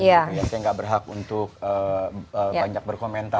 saya nggak berhak untuk banyak berkomentar